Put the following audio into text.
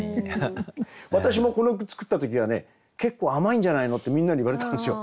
私もこの句作った時はね「結構甘いんじゃないの？」ってみんなに言われたんですよ。